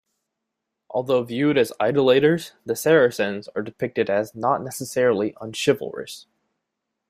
Although viewed as idolators, the Saracens are depicted as not necessarily un-chivalrous.